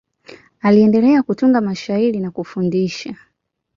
Aliendelea kutunga mashairi na kufundisha.